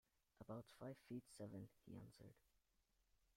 "About five feet seven," he answered.